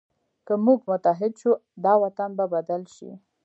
که موږ متحد شو، دا وطن به بدل شي.